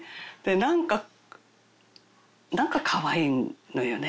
なんかなんかかわいいのよね。